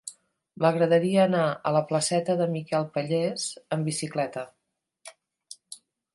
M'agradaria anar a la placeta de Miquel Pallés amb bicicleta.